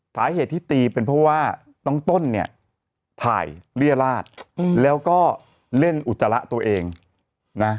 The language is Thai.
สาเหตุที่ตีเป็นเพราะว่าน้องต้นเนี่ยถ่ายเรียราชแล้วก็เล่นอุจจาระตัวเองนะ